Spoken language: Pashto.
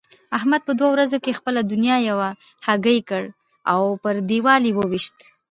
احمد په دوو ورځو کې خپله دونيا یوه هګۍکړ او پر دېوال يې وويشت.